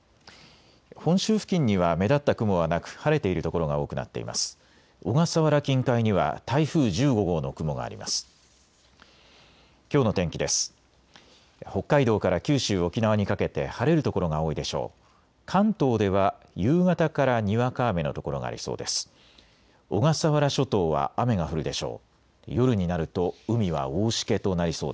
北海道から九州、沖縄にかけて晴れる所が多いでしょう。